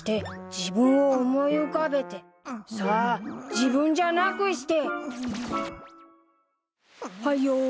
自分を思い浮かべて自分じゃなくして。